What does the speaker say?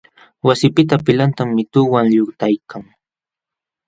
Wasipa pilqantam mituwan llutaykan.